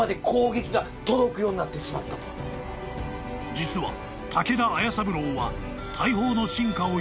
［実は武田斐三郎は］